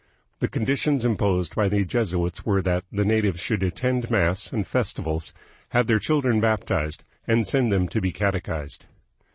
The conditions imposed by the Jesuits were that the natives should attend mass and festivals, have their children baptized, and send them to be catechised.